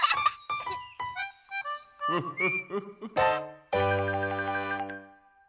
フフフフ。